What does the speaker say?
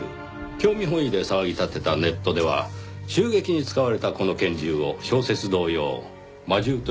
興味本位で騒ぎ立てたネットでは襲撃に使われたこの拳銃を小説同様魔銃と呼びました。